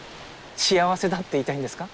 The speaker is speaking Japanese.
幸せだって言いたいんですか？